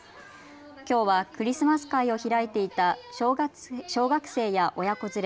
きょうはクリスマス会を開いていた小学生や親子連れ